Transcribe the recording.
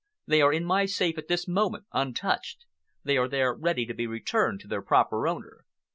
"They are in my safe at this moment, untouched. They are there ready to be returned to their proper owner."